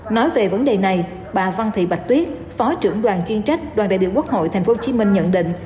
nói về vấn đề này bà văn thị bạch tuyết phó trưởng đoàn chuyên trách đoàn đại biểu quốc hội tp hcm nhận định